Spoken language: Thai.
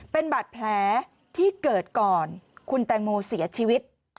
เป็นบาดแผลที่เกิดก่อนคุณแตงโมเสียชีวิต